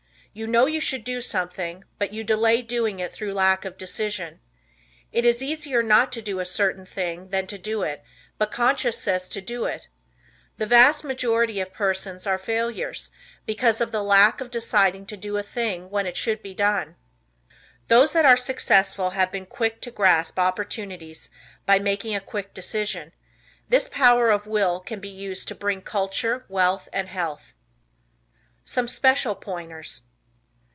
You know you should do something, but you delay doing it through lack of decision. It is easier not to do a certain thing than to do it, but conscience says to do it. The vast majority of persons are failures because of the lack of deciding to do a thing when it should be done. Those that are successful have been quick to grasp opportunities by making a quick decision. This power of will can be used to bring culture, wealth and health. Some Special Pointers.